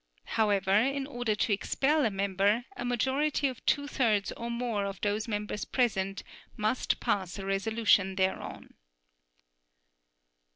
However, in order to expel a member, a majority of two thirds or more of those members present must pass a resolution thereon.